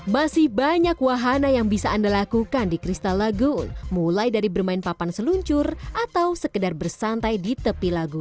masih banyak wahana yang bisa anda lakukan di kristal lagon mulai dari bermain papan seluncur atau sekedar bersantai di tepi lagu